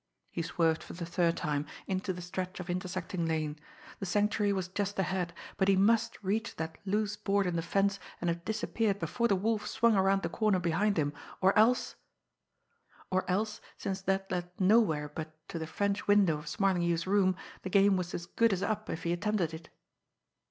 He swerved for the third time into the stretch of intersecting lane. The Sanctuary was just ahead, but he must reach that loose board in the fence and have disappeared before the Wolf swung around the corner behind him or else or else, since that led to nowhere to the French window of Smarlinghue's room, the game was as good as up if he attempted it!